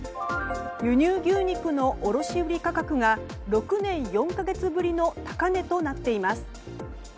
輸入牛肉の卸売価格が６年４か月ぶりの高値となっています。